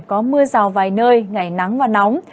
có mưa rào vài nơi ngày nắng và nóng